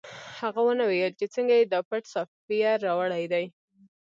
هغه ونه ویل چې څنګه یې دا پټ سافټویر راوړی دی